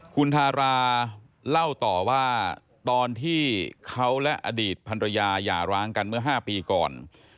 คุณทาราเล่าต่อว่าตอนที่เขาและอดีตพันรยาร้างกันเมื่อ๕ปีก่อน